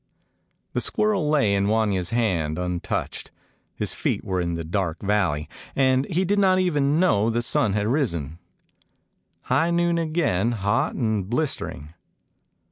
The squirrel lay in Wanya's hand un touched. His feet were in the dark valley, and he did not even know the sun had risen. 182 A KAFIR DOG High noon again, hot and blistering.